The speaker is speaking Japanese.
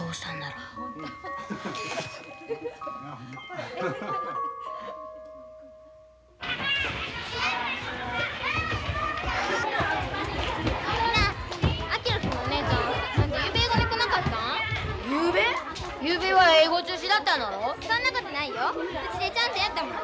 うちでちゃんとやったもん。